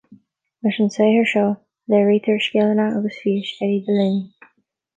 Leis an saothar seo léirítear scileanna agus fís Eddie Delaney